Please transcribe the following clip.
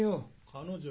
彼女。